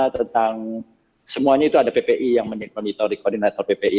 tentang semuanya itu ada ppi yang menitori koordinator ppi